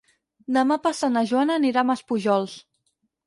Demà passat na Joana anirà a Maspujols.